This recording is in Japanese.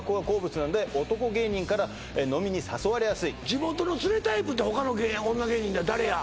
地元のツレタイプって他の女芸人では誰や？